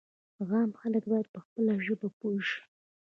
عام خلک باید په خپله ژبه پوه شي.